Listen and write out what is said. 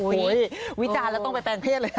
วิจารณ์แล้วต้องไปแปลงเพศเลย